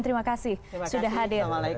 terima kasih selamat malam